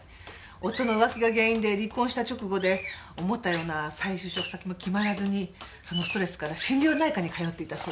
夫の浮気が原因で離婚した直後で思ったような再就職先も決まらずにそのストレスから心療内科に通っていたそうです。